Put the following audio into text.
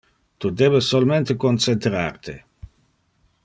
Tu debe solmente concentrar te.